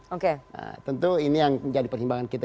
jadi tentu ini yang menjadi perhimbangan kita